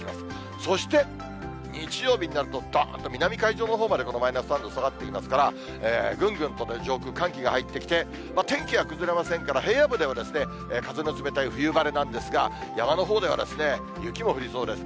そして、日曜日になると、どーんと南海上のほうまで、このマイナス３度下がってきますから、ぐんぐんと上空、寒気が入ってきて、天気は崩れませんから、平野部では風の冷たい冬晴れなんですが、山のほうでは雪も降りそうです。